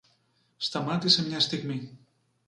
Σταμάτησε μια στιγμή.